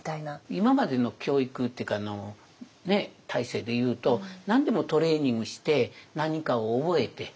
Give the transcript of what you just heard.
今までの教育っていうか体制で言うと何でもトレーニングして何かを覚えてねっ？